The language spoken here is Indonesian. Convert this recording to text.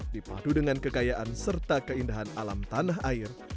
dipadu dengan kekayaan serta keindahan alam tanah air